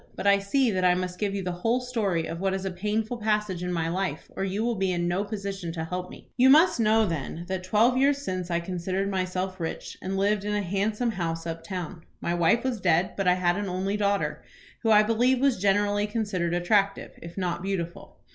But I see that I must give you the whole story of what is a painful passage in my life, or you will be in no position to help me. "You must know, then, that twelve years since I considered myself rich, and lived in a handsome house up town. My wife was dead, but I had an only daughter, who I believe was generally considered attractive, if not beautiful.